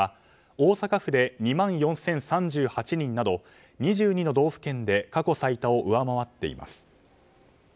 大阪府で２万４０３８人など２２の道府県で過去最多を上回っています。